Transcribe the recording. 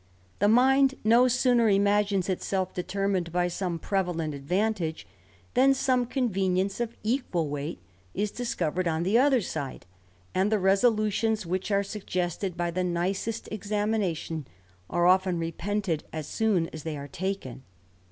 The mind no sooner imagines itself determined by some prevalent advantage, than some convenience of equal weight is dis covered on the other side, and the resolutions which are suggested by the nicest examination, are often repented as soon as they are taken.